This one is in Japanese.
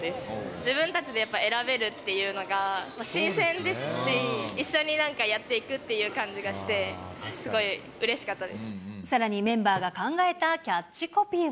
自分たちでやっぱ選べるっていうのが、新鮮ですし、一緒になんかやっていくっていう感じがして、すごいうれしかったさらに、メンバーが考えたキャッチコピーは。